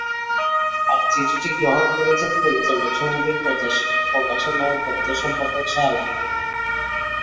আর চিঠিটি গ্রহণ করেছেন পরিচালক সমিতির প্রচার প্রকাশনা ও দপ্তর সম্পাদক সাহাবুদ্দিন।